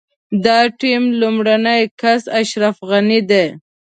د ټيم لومړی کس اشرف غني دی.